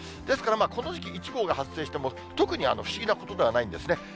ですからまあ、この時期１号が発生しても、特に不思議なことではないんですね。